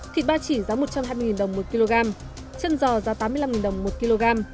thịt ba chỉ giá một trăm hai mươi đồng một kg chân giò giá tám mươi năm đồng một kg